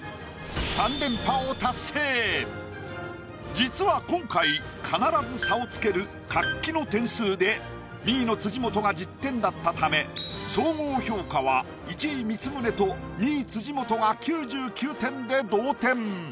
実は今回必ず差をつける活気の点数で２位の辻元が１０点だったため総合評価は１位光宗と２位辻元が９９点で同点。